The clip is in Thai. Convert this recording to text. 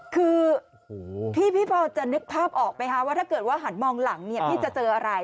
คือพี่พอจะนึกภาพออกไหมคะว่าถ้าเกิดว่าหันมองหลังเนี่ยพี่จะเจออะไร